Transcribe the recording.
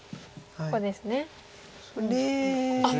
ここですか。